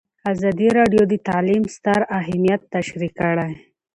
ازادي راډیو د تعلیم ستر اهميت تشریح کړی.